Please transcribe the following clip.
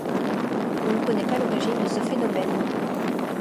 On ne connait pas l'origine de ce phénomène.